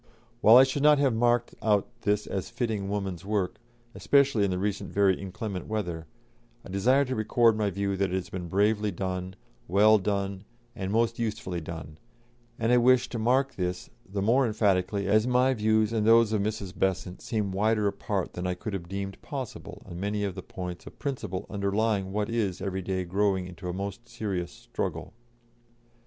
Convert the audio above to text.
While I should not have marked out this as fitting woman's work, especially in the recent very inclement weather, I desire to record my view that it has been bravely done, well done, and most usefully done, and I wish to mark this the more emphatically as my views and those of Mrs. Besant seem wider apart than I could have deemed possible on many of the points of principle underlying what is every day growing into a most serious struggle."